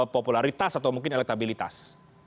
popularitas atau mungkin elektabilitas